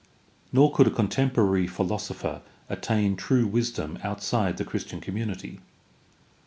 Nor could a contemporary philosopher attain true wisdom outside the Christian community.